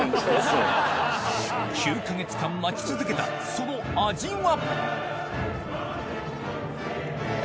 ９か月間待ち続けたその味は？